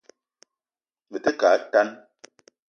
Me te ke a tan